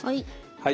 はい。